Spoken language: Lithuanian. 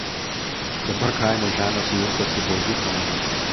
Dabar kaimo žemės sujungtos į Buožių kaimą.